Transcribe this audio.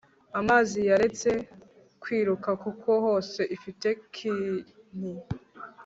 amazi yaretse kwiruka kuko hose ifite kink